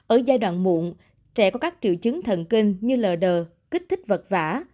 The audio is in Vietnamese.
ở giai đoạn muộn trẻ có các triệu chứng thần kinh như lờ đờ kích thích vật vã